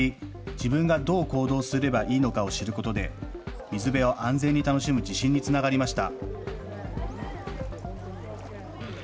自分がどう行動すればいいのかを知ることで、水辺を安全に楽しむ自信につながりました。